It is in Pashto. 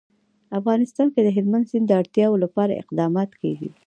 افغانستان کې د هلمند سیند د اړتیاوو لپاره اقدامات کېږي.